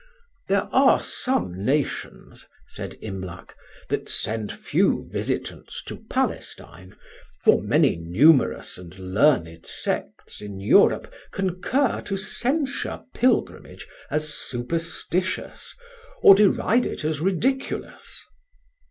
"There are some nations," said Imlac, "that send few visitants to Palestine; for many numerous and learned sects in Europe concur to censure pilgrimage as superstitious, or deride it as ridiculous."